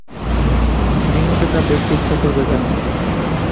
বিনুকে তার দেখতে ইচ্ছে করবে কেন?